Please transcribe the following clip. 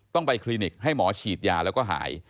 ต้องไปคลินิกให้หมอฉีดยาแล้วก็หาย